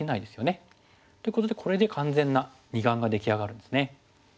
っていうことでこれで完全な二眼が出来上がるんですね。